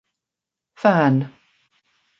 Phan.